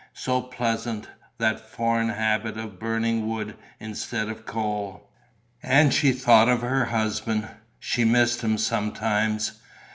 So pleasant, that foreign habit of burning wood instead of coal.... And she thought of her husband. She missed him sometimes.